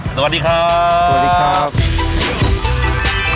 สวัสดีครับ